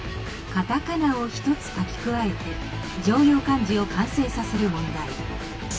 カタカナを１つ書き加えて常用漢字を完成させる問題。